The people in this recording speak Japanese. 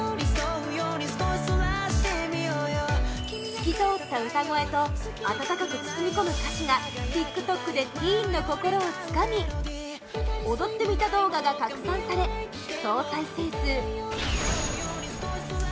透き通った歌声と温かく包み込む歌詞がＴｉｋＴｏｋでティーンの心をつかみ踊ってみた動画が拡散され総再生数